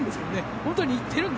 本当に行ってるんで。